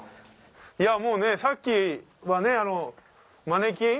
いやもうねさっきはマネキン？